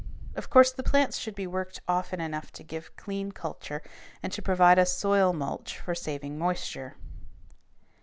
Of course the plants should be worked often enough to give clean culture and to provide a soil mulch for saving moisture.